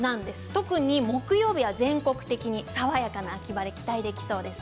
特に木曜日は全国的に爽やかな秋晴れが期待できそうです。